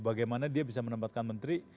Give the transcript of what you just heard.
bagaimana dia bisa menempatkan menteri